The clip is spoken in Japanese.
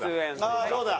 ああそうだ。